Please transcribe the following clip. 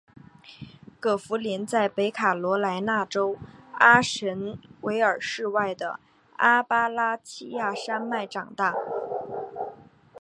葛福临在北卡罗来纳州阿什维尔市外的阿巴拉契亚山脉长大。